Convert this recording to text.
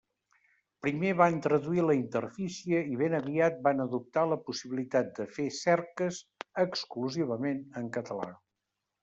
Primer van traduir la interfície i ben aviat van adoptar la possibilitat de fer cerques exclusivament en català.